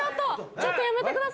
ちょっとやめてください。